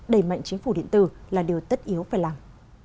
đẩy mạnh chính phủ điện tử là điều tất yếu phải làm